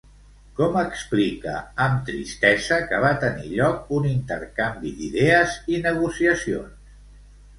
Com explica amb tristesa que va tenir lloc un intercanvi d'idees i negociacions?